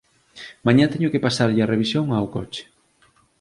Mañá teño que pasarlle a revisión ao coche.